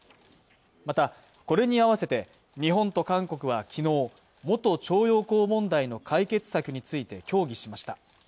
またこれに合わせて日本と韓国はきのう元徴用工問題の解決策について協議しました